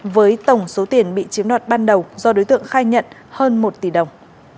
với tổng số tiền bị chiếm đoạt ban đầu do đối tượng khai nhận hơn một tỷ đồng